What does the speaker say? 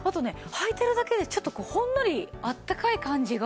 履いてるだけでちょっとこうほんのりあったかい感じが。